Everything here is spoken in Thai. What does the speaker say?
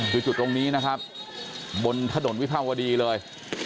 อยู่จุดตรงนี้นะครับบนทะโดดวิพาวดีเลย